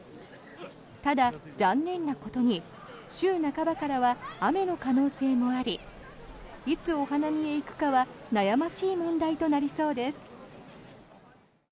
ただ、残念なことに週半ばからは雨の可能性もありいつお花見へ行くかは悩ましい問題となりそうです。